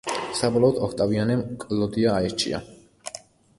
საბოლოოდ, ოქტავიანემ კლოდია აირჩია.